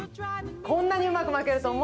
こんなにうまく巻けるとは思